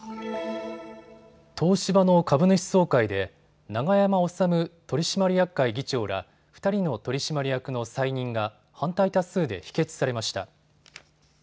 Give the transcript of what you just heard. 東芝の株主総会で永山治取締役会議長ら２人の取締役の再任が反対多数で否決されました。